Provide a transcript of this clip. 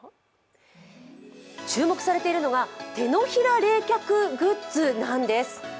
注目されているのが手のひら冷却グッズなんです。